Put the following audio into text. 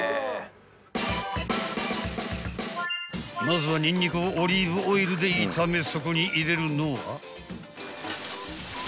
［まずはニンニクをオリーブオイルで炒めそこに入れるのは］